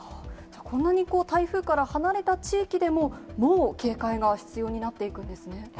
こんなに台風から離れた地域でも、もう警戒が必要になっていくんですね。